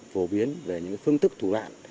phổ biến về những phương tức thủ đoạn